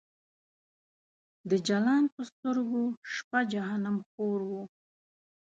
د جلان په سترګو شپه جهنم خور و